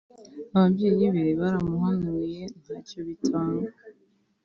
ababyeyi be baramuhanuye ntacyo bitanga